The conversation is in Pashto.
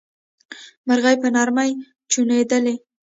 مرغۍ په نرمۍ چوڼيدلې.